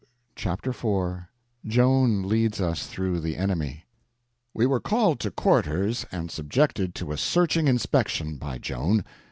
Chapter 4 Joan Leads Us Through the Enemy WE WERE called to quarters and subjected to a searching inspection by Joan.